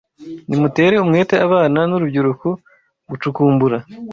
Nimutere umwete abana n’urubyiruko gucukumbura